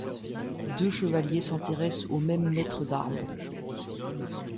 Deux chevaliers s'intéressent au même maître d'arme.